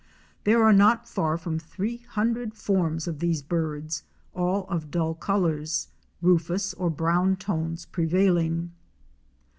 There are not far from three hundred forms of these birds, all of dull colors — rufous or brown tones pre vailing.